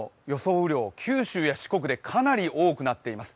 雨量、九州や四国でかなり多くなっています。